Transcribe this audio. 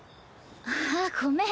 あっごめん。